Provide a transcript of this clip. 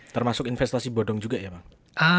termasuk investasi bodong juga ya